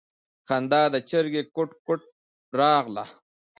خندا د چرگې کوټ کوټ راغله.